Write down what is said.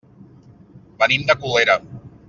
Venim de Colera.